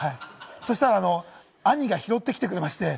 そしたら兄が拾ってきてくれまして。